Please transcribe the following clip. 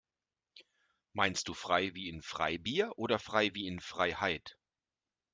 Meinst du frei wie in Freibier oder frei wie in Freiheit?